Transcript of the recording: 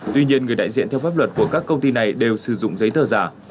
tuy nhiên người đại diện theo pháp luật của các công ty này đều sử dụng giấy tờ giả